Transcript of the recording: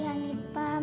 hanipa bisa membaca